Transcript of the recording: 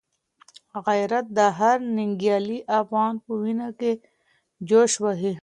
غیرت د هر ننګیالي افغان په وینه کي جوش وهي.